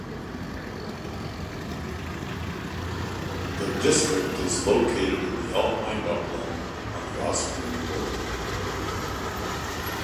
The district is located in the alpine upland on the Austrian border.